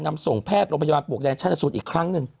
นำส่งแพทย์โรงพยาบาลปลวกแดงชันสูตรอีกครั้งหนึ่ง